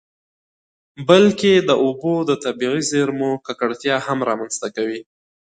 بلکې د اوبو د طبیعي زیرمو ککړتیا هم رامنځته کوي.